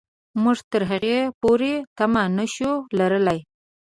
موږ تر هغې پورې تمه نه شو لرلای.